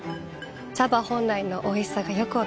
茶葉本来のおいしさがよく分かります。